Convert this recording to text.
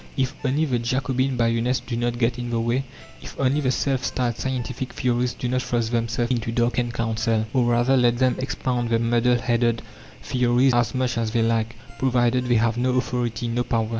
If only the Jacobin bayonets do not get in the way; if only the self styled "scientific" theorists do not thrust themselves in to darken counsel! Or rather let them expound their muddle headed theories as much as they like, provided they have no authority, no power!